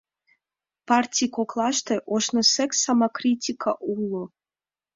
Партий коклаште ожнысек самокритика уло.